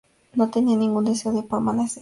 No tenían ningún deseo de permanecer.